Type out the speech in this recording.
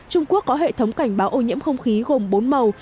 trung quốc có hệ thống cảnh báo ô nhiễm không khí gồm bốn màu